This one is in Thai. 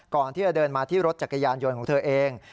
ก่อนที่จะเดินมาที่รถจักรยานยนต์ของเธอเอง